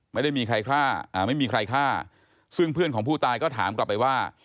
ไม่ได้มีใครฆ่าอ่าไม่มีใครฆ่าซึ่งเพื่อนของผู้ตายก็ถามกลับไปว่า